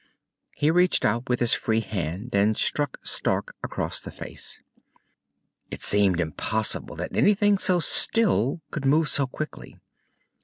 He reached out with his free hand and struck Stark across the face. It seemed impossible that anything so still could move so quickly.